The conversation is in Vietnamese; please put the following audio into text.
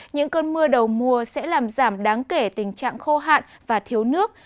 những cơn mưa đầu mùa sẽ làm giảm đáng kể tình trạng khô hạn và thiếu nước